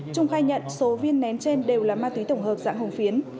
trung khai nhận số viên nén trên đều là ma túy tổng hợp dạng hồng phiến